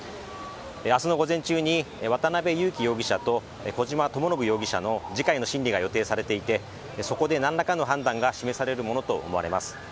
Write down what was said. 明日の午前中に渡辺優樹容疑者と小島智信容疑者の次回の審理が予定されていて、そこで何らかの判断が示されるものと思われます。